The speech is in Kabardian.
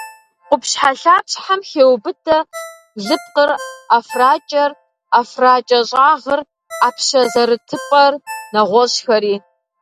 Къупщхьэлъапщхьэм хеубыдэ блыпкъыр, ӏэфракӏэр, ӏэфракӏэщӏагъыр, ӏэпщэ зэрытыпӏэр, нэгъуэщӏхэри.